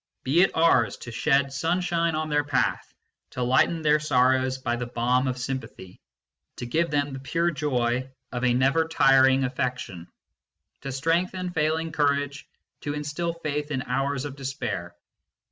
Be it ours to shed sunshine on their path, to lighten their sorrows by the balm of sympathy, to give them the pure joy of a never tiring affection, to strengthen failing courage, to instil faith in hours of despair.